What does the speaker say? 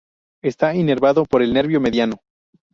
Está inervado por el nervio mediano.